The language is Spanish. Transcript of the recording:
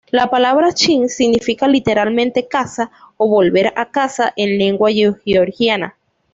La palabra "Shin" significa literalmente "casa" o "volver a casa", en lengua georgiana.